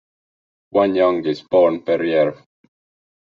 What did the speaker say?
One young is born per year.